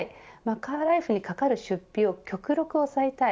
カーライフにかかる出費を極力抑えたい。